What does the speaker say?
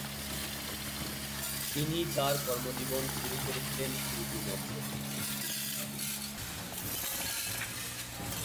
তিনি তার কর্মজীবন শুরু করেছিলেন উর্দু মঞ্চে।